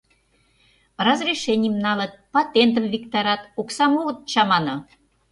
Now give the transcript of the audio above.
Разрешенийым налыт, патентым виктарат, оксам огыт чамане.